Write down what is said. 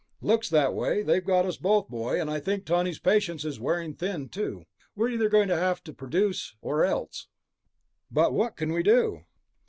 "Looks that way. They've got us, boy, and I think Tawney's patience is wearing thin, too. We're either going to have to produce or else." "But what can we do?"